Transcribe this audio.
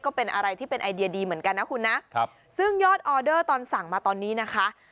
ก็เป็นอะไรที่เป็นไอเดียดีเหมือนกันนะคุณนะครับซึ่งยอดออเดอร์ตอนสั่งมาตอนนี้นะคะ